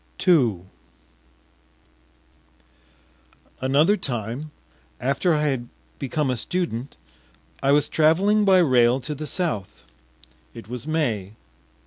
II Another time, after I had become a student, I was traveling by rail to the south. It was May.